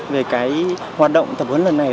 về cái hoạt động thập hướng lần này